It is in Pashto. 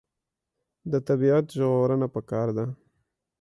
د طبیعت ژغورنه پکار ده.